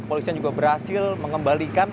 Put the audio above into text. kepolisian juga berhasil mengembalikan